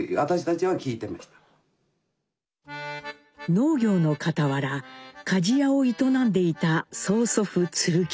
農業のかたわら鍛冶屋を営んでいた曽祖父鶴吉。